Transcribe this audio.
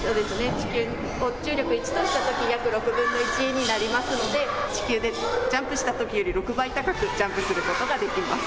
地球を１としたとき約６分の１になりますので地球でジャンプしたときより６倍高くジャンプすることができます。